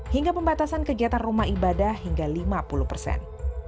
hingga pembatasan kegiatan rumah ibadah hingga lima puluh persen